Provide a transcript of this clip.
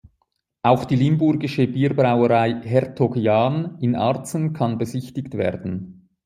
Auch die limburgische Bierbrauerei "Hertog Jan" in Arcen kann besichtigt werden.